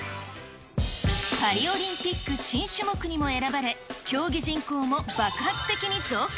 パリオリンピック新種目にも選ばれ、競技人口も爆発的に増加。